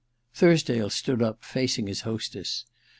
Thursdale stood up, facing his hostess.